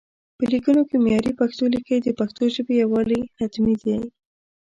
په ليکونو کې معياري پښتو ليکئ، د پښتو ژبې يووالي حتمي دی